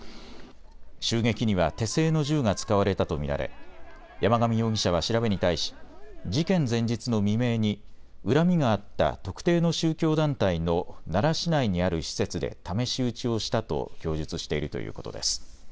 襲撃には手製の銃が使われたと見られ山上容疑者は調べに対し事件前日の未明に恨みがあった特定の宗教団体の奈良市内にある施設で試し撃ちをしたと供述しているということです。